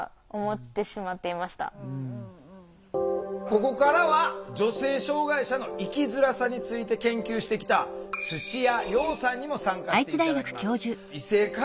ここからは女性障害者の生きづらさについて研究してきた土屋葉さんにも参加して頂きます。